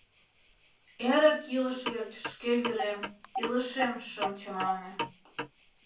Эрык илыш верч шке вӱрем, илышем шым чамане.